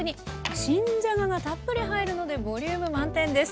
新じゃががたっぷり入るのでボリューム満点です。